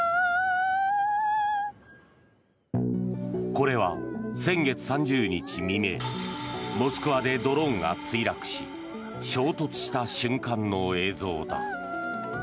これは先月３０日未明モスクワでドローンが墜落し衝突した瞬間の映像だ。